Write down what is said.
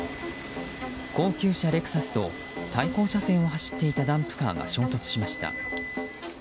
高級車レクサスと対向車線を走っていたダンプカーが衝突しました。